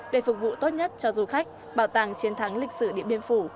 để phục vụ tốt nhất cho du khách bảo tàng chiến thắng lịch sử điện biên phủ